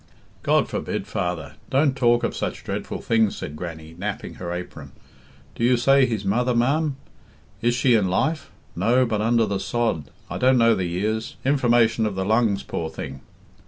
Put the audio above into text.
"God forbid, father; don't talk of such dreadful things," said Grannie, napping her apron. "Do you say his mother, ma'am? Is she in life? No, but under the sod, I don't know the years. Information of the lungs, poor thing."